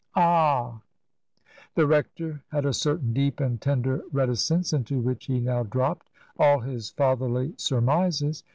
"Ahr The rector had a certain deep and tender reticence into which he now dropped all his fatherly surmises.